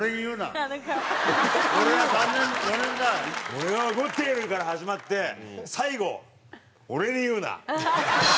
「俺は怒っている」から始まって最後「俺に言うな」。